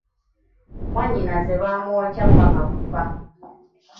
Mwanyinaze baamwokya paka kufa.